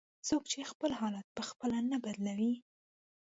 "څوک چې خپل حالت په خپله نه بدلوي".